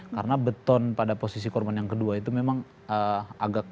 karena beton pada posisi korban yang kedua itu memang tidak bisa di drought